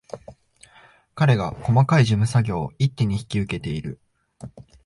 彼が細かい事務作業を一手に引き受けている